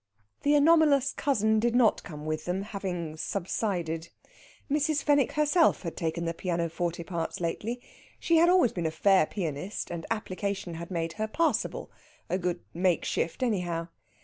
The anomalous cousin did not come with them, having subsided. Mrs. Fenwick herself had taken the pianoforte parts lately. She had always been a fair pianist, and application had made her passable a good make shift, anyhow.